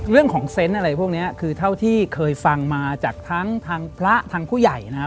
เรื่องของเซนต์อะไรพวกนี้คือเท่าที่เคยฟังมาจากทั้งพระทั้งผู้ใหญ่นะครับ